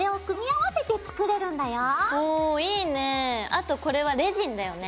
あとこれはレジンだよね？